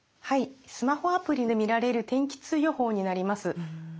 スマホアプリで見られる天気痛予報になります。